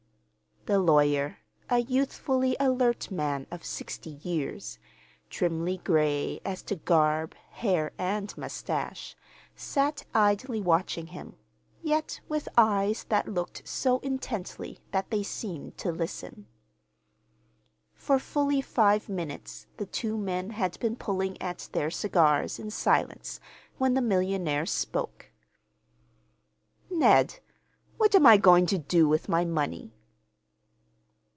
The lawyer, a youthfully alert man of sixty years, trimly gray as to garb, hair, and mustache, sat idly watching him, yet with eyes that looked so intently that they seemed to listen. For fully five minutes the two men had been pulling at their cigars in silence when the millionaire spoke. "Ned, what am I going to do with my money?"